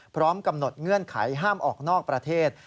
พร้อมกำหนดเงื่อนไขห้ามออกนอกประเทศ